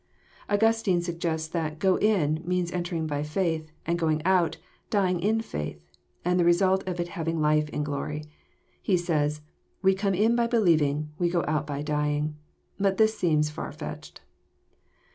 Augustine suggests that *' go in " means entering by fkith, and '< going out," dying in faith, and the result of it having life in glory, fle says, *' We come in by believing: we go out by dying." But this seems far fetched.